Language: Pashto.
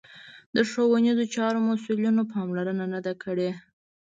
د ښوونیزو چارو مسوولینو پاملرنه نه ده کړې